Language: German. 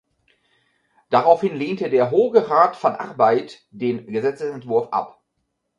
Daraufhin lehnte der "Hoge Raad van Arbeid" den Gesetzesentwurf ab.